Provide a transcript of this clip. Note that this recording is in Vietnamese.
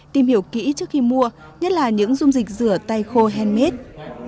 tìm hiểu kỹ trước khi mua nhất là những dung dịch rửa tay khô handmade